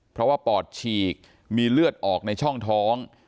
เพราะว่าปอดฉีกมีเลือดออกในช่องท้อง